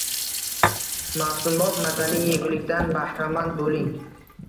Mavsumbop mazali yegulikdan bahramand bo‘ling